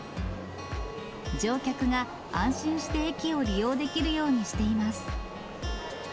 乗客が安心して駅を利用できるようにしています。